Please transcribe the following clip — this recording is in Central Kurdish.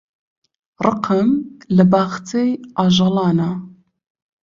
ڕقم لە باخچەی ئاژەڵانە.